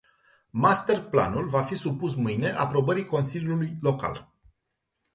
Master planul va fi supus mâine aprobării consiliului local.